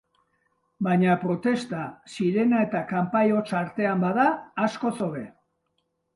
Baina protesta, sirena eta kanpai hots artean bada, askoz hobe.